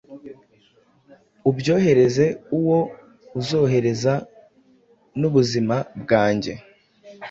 ubyohereze uwo uzohereza; Nubuzima bwanjye